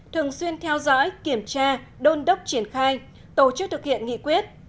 thường xuyên theo dõi kiểm tra đôn đốc triển khai tổ chức thực hiện nghị quyết